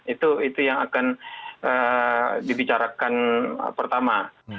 itu yang akan dibicarakan pertama